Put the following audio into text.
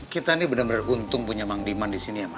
kita nih bener bener untung punya mang diman disini ya ma